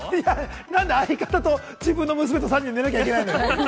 なんで相方と自分の娘と３人で寝なきゃいけないのよ。